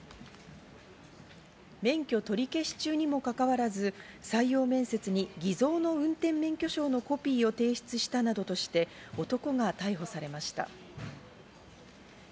免許取り消し中にもかかわらず、採用面接に偽造の運転免許証のコピーを提出したなどとして、男が逮捕されました。